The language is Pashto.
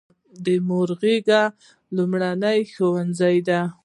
د مور غیږه لومړنی ښوونځی دی.